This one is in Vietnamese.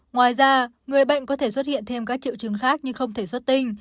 ngoài ra người bệnh có thể xuất hiện thêm các triệu chứng khác như không thể xuất tinh